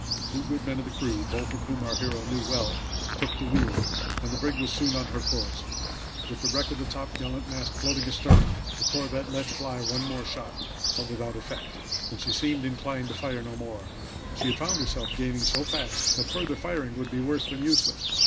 Two good men of the crew, both of whom our hero knew well, took the wheel, and the brig was soon on her course, with the wreck of the topgallant mast floating astern. The corvette let fly one more shot, but without effect, and she seemed inclined to fire no more. She had found herself gaining so fast that further firing would be worse than useless.